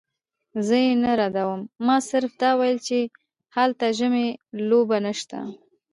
زه یې نه ردوم، ما صرف دا ویل چې هلته ژمنۍ لوبې نشته.